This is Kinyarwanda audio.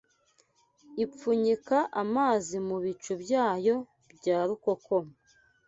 Ipfunyika amazi mu bicu byayo bya rukokoma